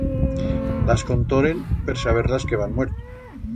Las contoren per saber las que heban muerto.